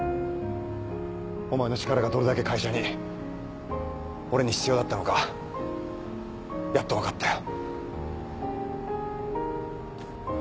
お前の力がどれだけ会社に俺に必要だったのかやっと分かったよ。